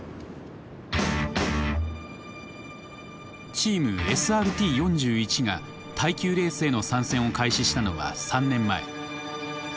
チーム「ＳＲＴ４１」が耐久レースへの参戦を開始したのは３年前。